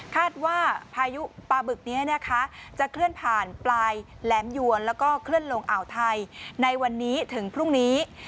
พายุปลาบึกนี้นะคะจะเคลื่อนผ่านปลายแหลมยวนแล้วก็เคลื่อนลงอ่าวไทยในวันนี้ถึงพรุ่งนี้